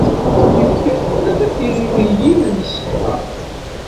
Yefka-d tlata tririyin ur nṣeḥḥa.